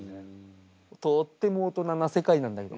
とっても大人な世界なんだけど。